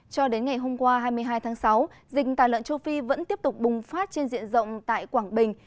cho đến ngày hôm qua hai mươi hai tháng sáu dịch tả lợn châu phi vẫn tiếp tục bùng phát trên diện rộng tại quảng bình